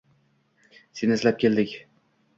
Seni izlab keldik.